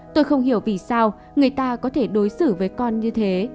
tôi không hiểu vì sao người ta có thể đối xử với con như thế